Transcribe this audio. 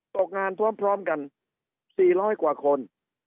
ตกงานพร้อมกัน๔๐๐กว่าคน